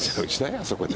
あそこで。